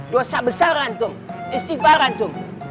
dosa besar antum istighfar antum